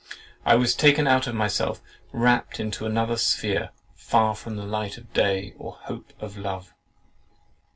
I was taken out of myself, wrapt into another sphere, far from the light of day, of hope, of love.